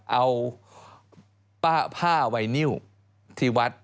เอาผ้าไวนิวที่วัด